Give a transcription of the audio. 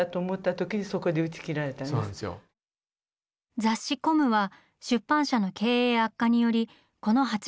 雑誌「ＣＯＭ」は出版社の経営悪化によりこの８月号で廃刊。